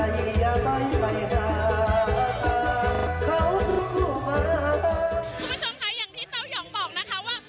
คุณผู้ชมค่ะอย่างที่เต้ายองบอกนะคะว่า